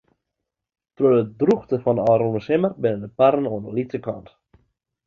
Troch de drûchte fan ôfrûne simmer binne de parren oan de lytse kant.